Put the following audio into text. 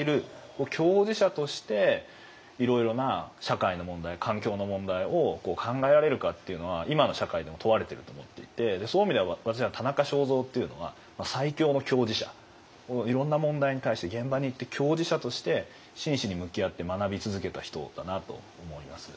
共事者としていろいろな社会の問題環境の問題を考えられるかっていうのは今の社会でも問われていると思っていてそういう意味では私はいろんな問題に対して現場に行って共事者として真摯に向き合って学び続けた人だなと思います。